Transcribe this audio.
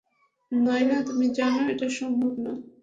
নায়না, তুমি জানো এটা সম্ভব না।